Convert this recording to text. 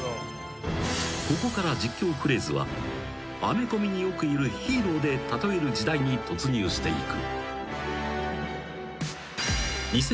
［ここから実況フレーズはアメコミによくいるヒーローで例える時代に突入していく］